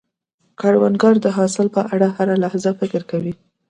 کروندګر د حاصل په اړه هره لحظه فکر کوي